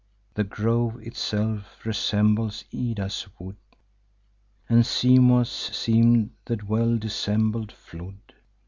The grove itself resembles Ida's wood; And Simois seem'd the well dissembled flood.